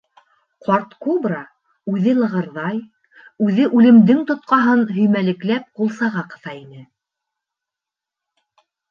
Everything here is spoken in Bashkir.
— Ҡарт кобра үҙе лығырҙай, үҙе «үлем»дең тотҡаһын һөймәлекләп ҡулсаға ҡыҫа ине.